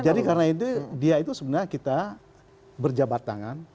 jadi karena itu dia itu sebenarnya kita berjabat tangan